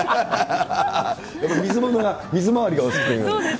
やっぱり水回りがお好き。